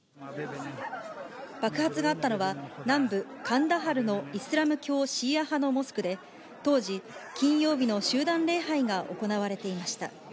爆発があったのは、南部カンダハルのイスラム教シーア派のモスクで、当時、金曜日の集団礼拝が行われていました。